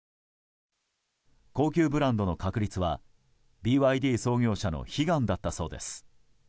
高級ブランドの確立はＢＹＤ創業者の悲願だったそうです。